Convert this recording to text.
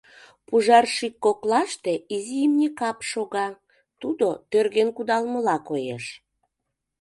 Пужар шӱк коклаште изи имне кап шога, тудо тӧрген кудалмыла коеш.